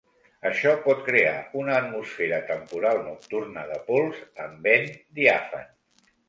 Això pot crear una atmosfera temporal nocturna de pols amb vent diàfan.